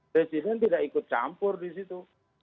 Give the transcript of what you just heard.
presiden tidak ikut campur di situ